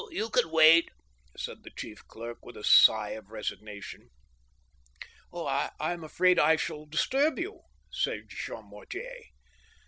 no; you can wait," said the chief clerk, with a sigh of resignation. " I am afraid I shall disturb you," said Jean Mortier."